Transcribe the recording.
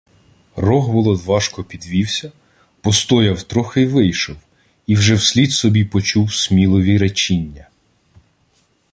Рогволод важко підвівся, постояв трохи й вийшов, і вже вслід собі почув Смілові речіння: